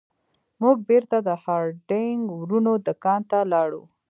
موږ بیرته د هارډینګ ورونو دکان ته لاړو.